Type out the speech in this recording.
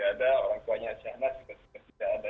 orang tuanya saya sudah tidak ada